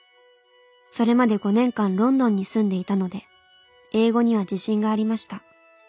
それまで５年間ロンドンに住んでいたので英語には自信がありました。